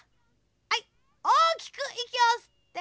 はいおおきくいきをすって」。